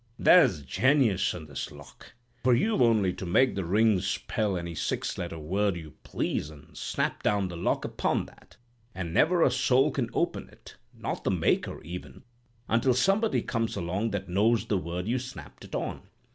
There's janius in this lock; for you've only to make the rings spell any six letter word you please and snap down the lock upon that, and never a soul can open it—not the maker, even—until somebody comes along that knows the word you snapped it on.